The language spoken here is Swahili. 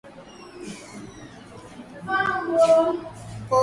Imekuwa ni wiki ya matatizo huko Afrika Mashariki ambako kumekuwepo na uhaba wa mafuta na